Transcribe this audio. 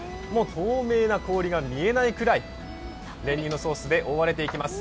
透明な氷が見えないくらい練乳のソースで覆われていきます。